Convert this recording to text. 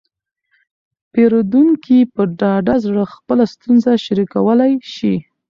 پیرودونکي په ډاډه زړه خپله ستونزه شریکولی شي.